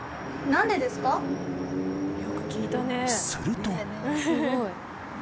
すると。